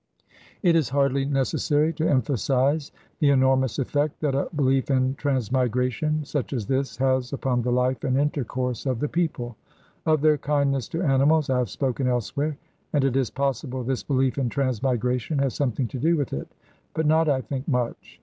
It is hardly necessary to emphasize the enormous effect that a belief in transmigration such as this has upon the life and intercourse of the people. Of their kindness to animals I have spoken elsewhere, and it is possible this belief in transmigration has something to do with it, but not, I think, much.